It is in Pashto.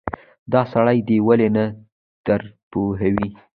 دا سړی دې ولې نه درپوهوې.